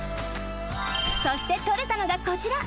そしてとれたのがこちら。